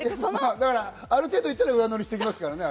ある程度行ったら上塗りしますからね。